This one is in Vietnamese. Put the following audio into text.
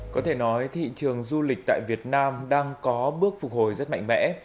có thể nói thị trường du lịch tại việt nam đang có bước phục hồi rất mạnh mẽ